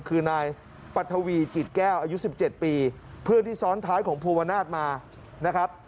คือนายปัทวีจิตแก้วอายุ๑๗ปีเพื่อนที่ซ้อนท้ายของภูวนาศมานะครับ